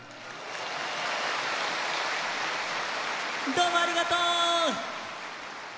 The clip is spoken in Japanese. どうもありがとう！